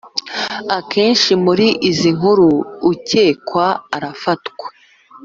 akenshi muri izi nkuru ukekwa arafatwa